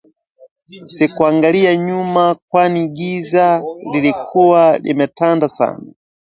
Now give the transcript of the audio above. Sikuangalia nyuma kwani giza lilikua limetanda sana